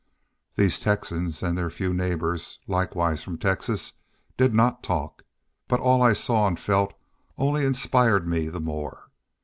These Texans and their few neighbors, likewise from Texas, did not talk. But all I saw and felt only inspired me the more.